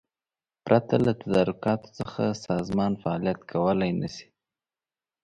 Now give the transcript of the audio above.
پرته له تدارکاتو څخه سازمان فعالیت کولای نشي.